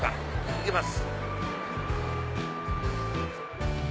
行きます。